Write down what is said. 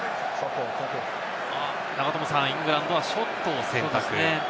イングランドはショットを選択。